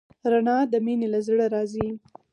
رڼا د مینې له زړه راځي.